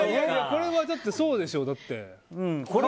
これはだって、そうでしょう。